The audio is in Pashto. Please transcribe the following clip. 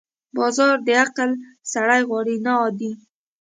بازار د عقل سړی غواړي، نه عادي.